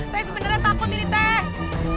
saya sebenarnya takut ini teh